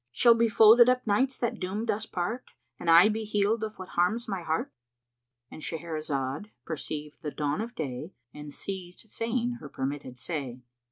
Shall be folded up nights that doomed us part * And I be healed of what harms my heart?" —And Shahrazad perceived the dawn of day and ceased saying her permitted say.